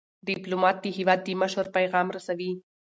ډيپلومات د هیواد د مشر پیغام رسوي.